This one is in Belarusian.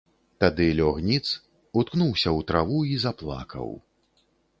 Тады лёг ніц, уткнуўся ў траву і заплакаў.